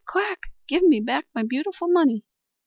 quack! Give me back my beautiful money!"